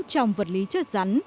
trong vật lý chất rắn